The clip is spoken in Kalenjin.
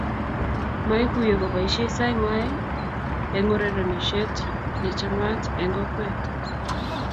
maiguyee kobaishe saingwai eng urerenoshiet nemachamat eng kokwet